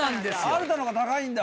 アルタの方が高いんだ。